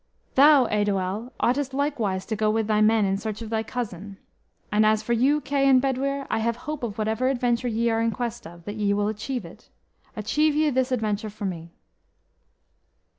Thou, Eidoel, oughtest likewise to go with thy men in search of thy cousin. And as for you, Kay and Bedwyr, I have hope of whatever adventure ye are in quest of, that ye will achieve it. Achieve ye this adventure for me."